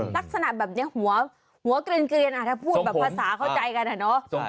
ลักษณะแบบนี้หัวเกร็นถ้าพูดภาษาเข้าใจกัน